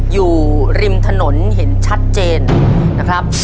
อยู่ริมถนนเห็นชัดเจนนะครับ